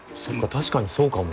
確かにそうかも。